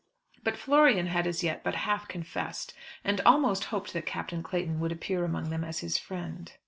But Florian had as yet but half confessed, and almost hoped that Captain Clayton would appear among them as his friend.